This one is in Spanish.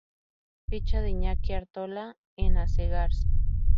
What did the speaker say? Ficha de Iñaki Artola en Asegarce